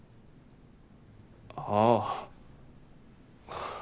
ああ。